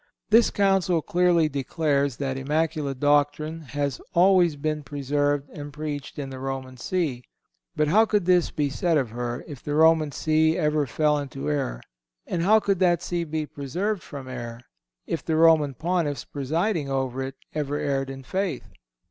This Council clearly declares that immaculate doctrine has always been preserved and preached in the Roman See. But how could this be said of her, if the Roman See ever fell into error, and how could that See be preserved from error, if the Roman Pontiffs presiding over it ever erred in faith?